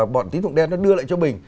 bọn tín phục đen nó đưa lại cho mình